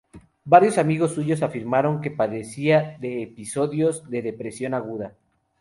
Varios amigos suyos afirmaron que padecía de episodios de depresión aguda.